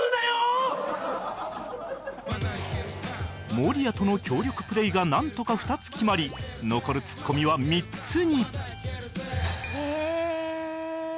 守屋との協力プレーがなんとか２つ決まり残るツッコミは３つに